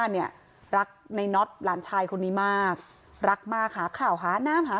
เนี่ยรักในน็อตหลานชายคนนี้มากรักมากหาข่าวหาน้ำหา